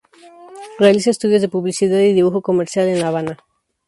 Realiza estudios de publicidad y dibujo comercial en La Habana.